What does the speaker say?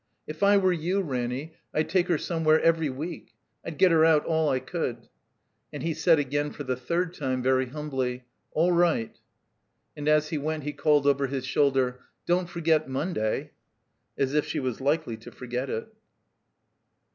"If I were you, Ranny, I'd take her somewhere every week. I'd get her out all I could." And he said again for the third time, very humbly : "AU right." And as he went he called over his shoulder, "Don't forget Monday." As if she was likely to forget it!